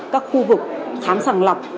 các khu vực khám sàng lọc